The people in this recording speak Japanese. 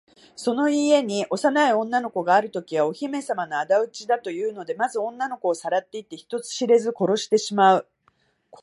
その家に幼い女の子があるときは、お姫さまのあだ討ちだというので、まず女の子をさらっていって、人知れず殺してしまう。